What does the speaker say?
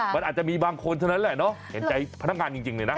มันอาจจะมีบางคนเท่านั้นแหละเนอะเห็นใจพนักงานจริงเลยนะ